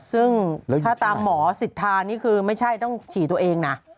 ซึ่งถ้าตามหมอสิทธานี่คือไม่ใช่ต้องฉี่ตัวเองนะ